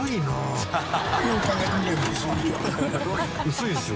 薄いですよ